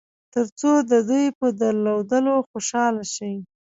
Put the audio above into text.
تر څو د دوی په درلودلو خوشاله شئ.